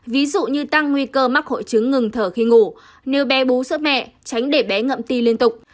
ví dụ như tăng nguy cơ mắc hội chứng ngừng thở khi ngủ nếu bé bú sữa mẹ tránh để bé ngậm ti liên tục